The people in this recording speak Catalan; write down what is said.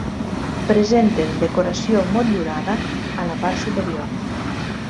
Presenten decoració motllurada a la part superior.